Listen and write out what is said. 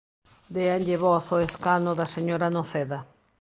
Déanlle voz ao escano da señora Noceda.